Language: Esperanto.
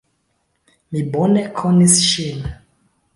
Mi bone konis ŝin.